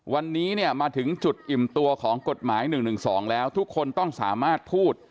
วันนี้เนี่ยมาถึงจุดอิ่มตัวของกฎหมาย๑๑๒แล้วทุกคนต้องสามารถพูด